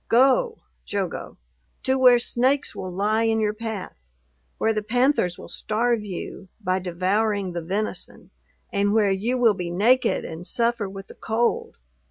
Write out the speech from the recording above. Go (Jogo) to where snakes will lie in your path; where the panthers will starve you, by devouring the venison; and where you will be naked and suffer with the cold!